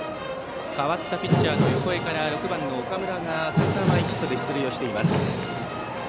代わったピッチャーの横江から６番の岡村がセンター前ヒットで出塁しています。